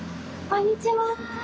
こんにちは。